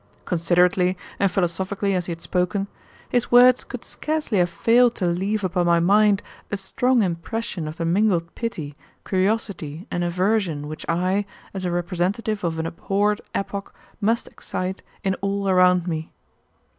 Considerately and philosophically as he had spoken, his words could scarcely have failed to leave upon my mind a strong impression of the mingled pity, curiosity, and aversion which I, as a representative of an abhorred epoch, must excite in all around me.